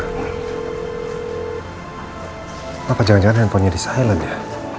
kenapa jangan jangan handphonenya di silent ya